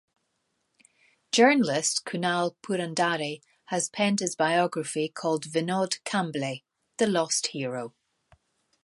Journalist Kunal Purandare has penned his biography called Vinod Kambli: The Lost Hero.